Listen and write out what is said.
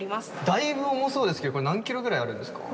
だいぶ重そうですけどこれ何キロぐらいあるんですか？